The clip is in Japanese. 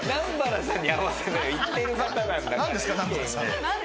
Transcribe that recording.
行ってる方なんだから。